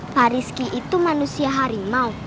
pak rizky itu manusia harimau